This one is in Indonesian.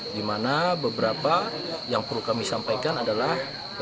di mana beberapa yang perlu kami sampaikan adalah